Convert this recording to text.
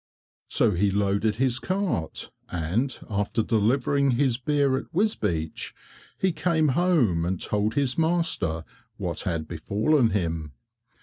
So he loaded his cart, and after delivering his beer at Wisbeach, he came home and told his master what had befallen him.